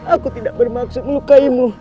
aku tidak bermaksud melukainmu